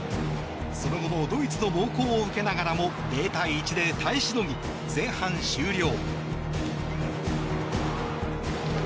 その後もドイツの猛攻を受けながらも０対１で耐えしのぎ前半終了。